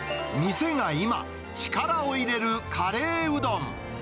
店が今、力を入れるカレーうどん。